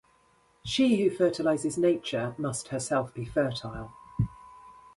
She who fertilizes nature must herself be fertile.